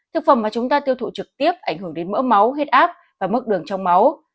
thực phẩm mà chúng ta tiêu thụ trực tiếp ảnh hưởng đến mỡ máu huyết áp và mức đường trong máu